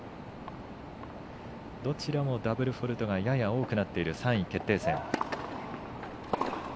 どちらもダブルフォールトがやや多くなっている３位決定戦。